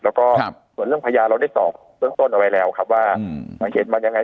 แล้วก็ส่วนเรื่องพญาเราได้ตอกต้นเอาไปแล้วครับว่าเห็นมันยังไง